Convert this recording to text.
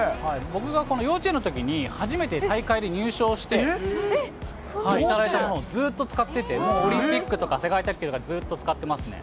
僕が幼稚園のときに、初めて大会で入賞して、頂いたものをずっと使ってて、もうオリンピックとか世界卓球とか、ずっと使ってますね。